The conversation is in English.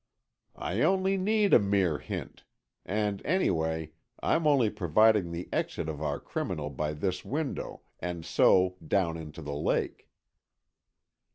"I only need a mere hint. And anyway, I'm only proving the exit of our criminal by this window, and so down into the lake."